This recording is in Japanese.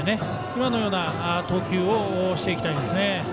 今のような投球をしていきたいですね。